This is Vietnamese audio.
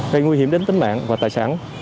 gây nguy hiểm đến tính mạng và tài sản